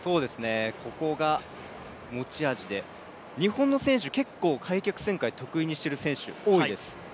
ここが持ち味で日本の選手結構開脚旋回得意にしている選手が多いです。